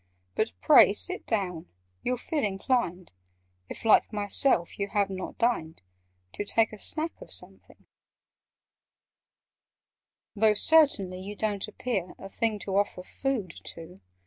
But pray sit down: you'll feel inclined (If, like myself, you have not dined) To take a snack of something: "Though, certainly, you don't appear A thing to offer food to!